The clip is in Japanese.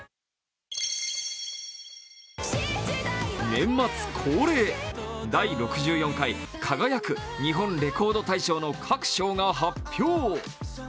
年末恒例、第６４回「輝く！日本レコード大賞」が発表。